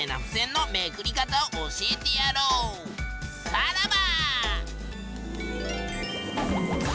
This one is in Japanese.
さらば！